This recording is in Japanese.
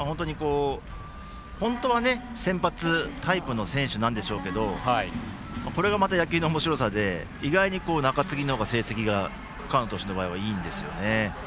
本当は先発タイプの選手なんですけどこれが、また野球のおもしろさで意外に中継ぎのほうが成績が河野投手はいいんですよね。